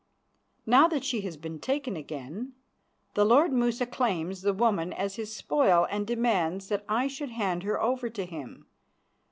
Now that she has been taken again, the lord Musa claims the woman as his spoil and demands that I should hand her over to him.